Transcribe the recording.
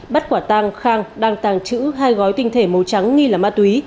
bắt quả tang khang đang tàng trữ hai gói tinh thể màu trắng nghi là ma túy